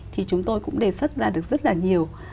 thì chúng tôi cũng đề xuất ra được rất là nhiều